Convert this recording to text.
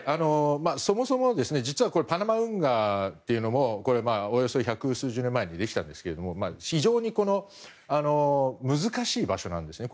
そもそも実はパナマ運河というのもおよそ百数十年前にできたんですけども非常に難しい場所なんですね。